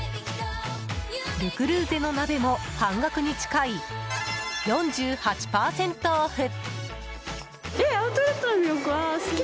ル・クルーゼの鍋も半額に近い４８％オフ！